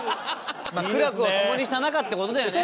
まあ苦楽を共にした仲って事だよね。